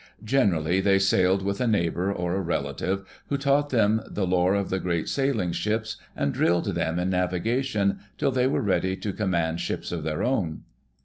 Generally they sailed with a neighbor, or a relative, who taught them the lore of the great sailing ships and drilled them in navigation till they were readj'^ to command ships of their own.